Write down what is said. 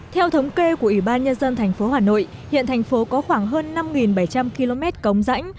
theo thống kê của ủy ban nhân dân tp hà nội hiện thành phố có khoảng hơn năm bảy trăm linh km cống rãnh